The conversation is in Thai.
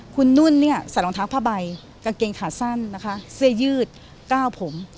คุณนุ่นเนี่ยใส่รองเท้าผ้าใบกางเกงขาสั้นนะคะเสื้อยืดก้าวผม